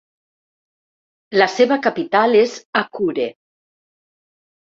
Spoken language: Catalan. La seva capital és Akure.